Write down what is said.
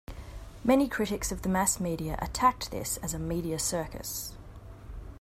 Many critics of the mass media attacked this as a "media circus".